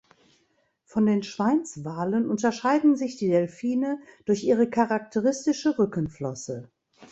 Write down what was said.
Von den Schweinswalen unterscheiden sich die Delfine durch ihre charakteristische Rückenflosse.